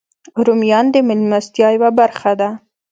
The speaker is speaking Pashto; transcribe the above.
رومیان د میلمستیا یوه برخه ده